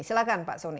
silahkan pak soni